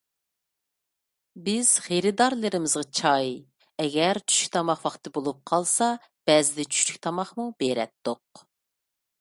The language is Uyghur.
بىز خېرىدارلىرىمىزغا چاي، ئەگەر چۈشلۈك تاماق ۋاقتى بولۇپ قالسا، بەزىدە چۈشلۈك تاماقمۇ بېرەتتۇق.